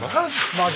マジ。